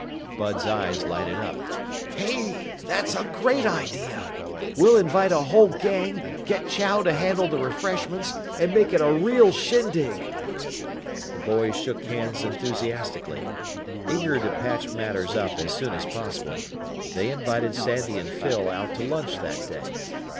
Bud's eyes lighted up. "Hey, that's a great idea! We'll invite a whole gang, get Chow to handle the refreshments, and make it a real shindig!" The boys shook hands enthusiastically. Eager to patch matters up as soon as possible, they invited Sandy and Phyl out to lunch that day.